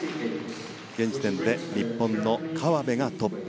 現時点で日本の河辺がトップ。